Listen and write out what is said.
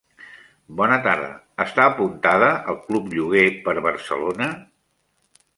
Bona tarda, està apuntada al Club Lloguer per Barcelona?